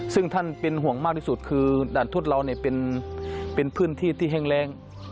ซึ่งท่านเป็นห่วงมากที่สุดคือด่านทุดเราเป็นพื้นที่ที่แห้งแรง